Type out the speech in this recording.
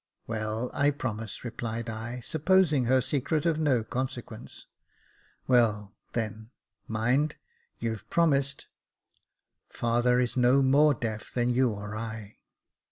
"Well, I promise," replied I, supposing her secret of no consequence. " Well, then — mind — you've promised. Father is no more deaf than you or I."